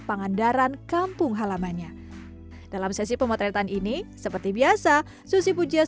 pangandaran kampung halamannya dalam sesi pemotretan ini seperti biasa susi pujias